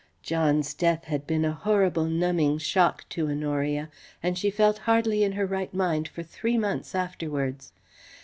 John's death had been a horrible numbing shock to Honoria, and she felt hardly in her right mind for three months afterwards.